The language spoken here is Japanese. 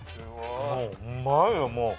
うまいよもう！